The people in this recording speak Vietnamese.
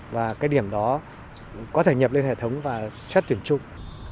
và cái điểm đó có thể nhập lên hệ thống và xét tuyển chung